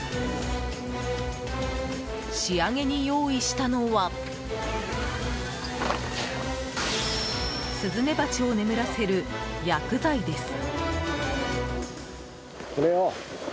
仕上げに用意したのはスズメバチを眠らせる薬剤です。